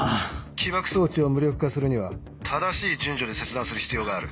起爆装置を無力化するには正しい順序で切断する必要がある。